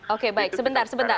oke baik sebentar sebentar